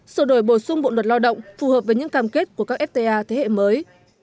sửa đổi bổ sung bộ luật lao động phù hợp với những cam kết của các fta thế hệ mới